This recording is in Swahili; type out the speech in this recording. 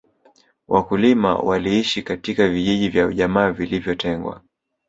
wakulima waliishi katika vijiji vya ujamaa vilivyotengwa